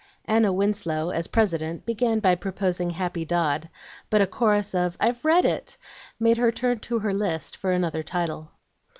Anna Winslow, as president, began by proposing "Happy Dodd;" but a chorus of "I've read it!" made her turn to her list for another title.